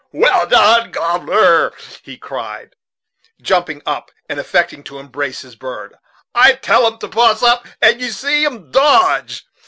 "Well done, a gobbler," he cried, jumping up and affecting to embrace his bird; "I tell 'em to poss up, and you see 'em dodge.